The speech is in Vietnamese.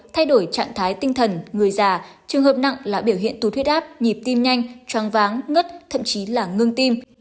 thay đổi trạng thái tinh thần người già trường hợp nặng là biểu hiện tù huyết áp nhịp tim nhanh chóng váng ngất thậm chí là ngưng tim